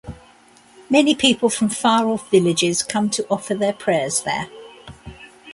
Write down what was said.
Many People from far off villages come to offer their prayers there.